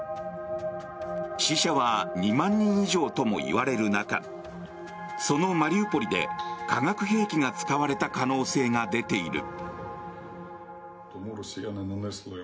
死者は２万人以上ともいわれる中そのマリウポリで化学兵器が使われた可能性が出ている。